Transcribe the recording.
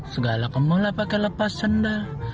segala ke mall lah pake lepas sendal